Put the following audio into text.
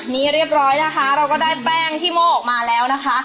นี่เรียบร้อยนะคะเราก็ได้แป้งขี้โม่ออกมาแล้วนะคะ